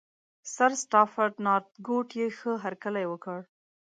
سرسټافرډ نارتکوټ یې ښه هرکلی وکړ.